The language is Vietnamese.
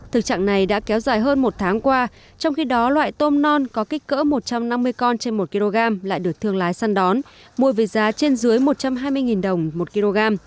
thực trạng này đã kéo dài hơn một tháng qua trong khi đó loại tôm non có kích cỡ một trăm năm mươi con trên một kg lại được thương lái săn đón mua với giá trên dưới một trăm hai mươi đồng một kg